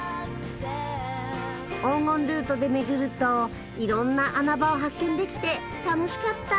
黄金ルートで巡るといろんな穴場を発見できて楽しかった。